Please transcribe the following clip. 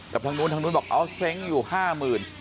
ทางนู้นทางนู้นบอกเอาเซ้งอยู่ห้าหมื่น